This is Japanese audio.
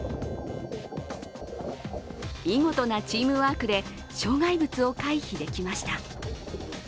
見事なチームワークで障害物を回避できました。